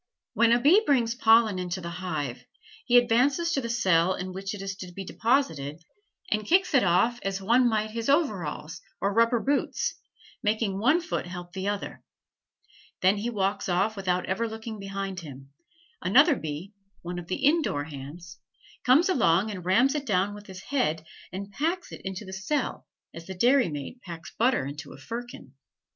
When a bee brings pollen into the hive, he advances to the cell in which it is to be deposited and kicks it off as one might his overalls or rubber boots, making one foot help the other; then he walks off without ever looking behind him; another bee, one of the indoor hands, comes along and rams it down with his head and packs it into the cell as the dairymaid packs butter into a firkin.